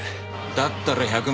だったら１００万だ。